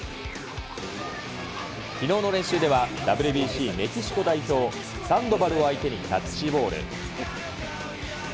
きのうの練習では、ＷＢＣメキシコ代表、サンドバルを相手にキャッチボール。